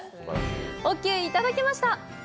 オーケーいただけました！